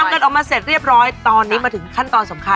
กันออกมาเสร็จเรียบร้อยตอนนี้มาถึงขั้นตอนสำคัญ